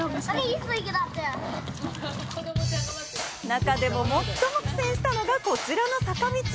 中でも最も苦戦したのがこちらの坂道。